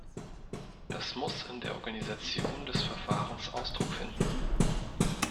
Das muss in der Organisation des Verfahrens Ausdruck finden.